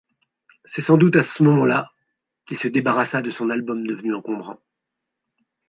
C'est sans doute à ce moment-là qu'il se débarrassa de son album devenu encombrant.